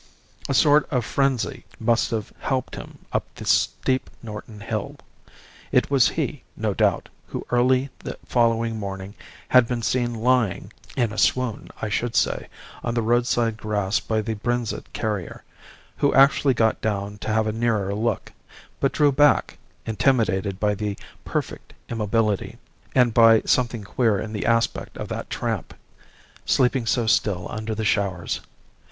A sort of frenzy must have helped him up the steep Norton hill. It was he, no doubt, who early the following morning had been seen lying (in a swoon, I should say) on the roadside grass by the Brenzett carrier, who actually got down to have a nearer look, but drew back, intimidated by the perfect immobility, and by something queer in the aspect of that tramp, sleeping so still under the showers.